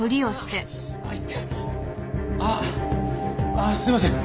ああすいません。